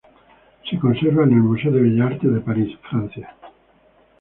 Se conserva en el Museo de Bellas Artes de París, Francia.